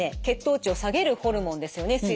血糖値を下げるホルモンですよね。